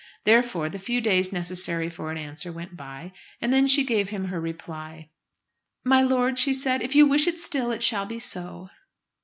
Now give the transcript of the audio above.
Therefore the few days necessary for an answer went by, and then she gave him her reply. "My lord," she said, "if you wish it still, it shall be so."